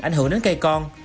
ảnh hưởng đến cây con